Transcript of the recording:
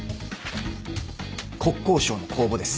国交省の公募です。